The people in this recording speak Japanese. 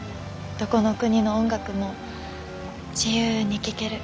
どこの国の音楽も自由に聴ける。